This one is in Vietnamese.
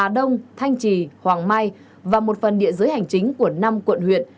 đông thanh trì hoàng mai và một phần địa dưới hành chính của năm quận huyện